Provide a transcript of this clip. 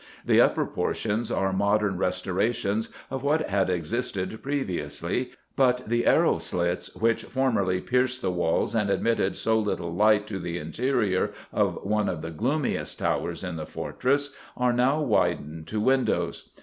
the upper portions are modern restorations of what had existed previously, but the arrow slits, which formerly pierced the walls and admitted so little light to the interior of one of the gloomiest towers in the fortress, are now widened to windows.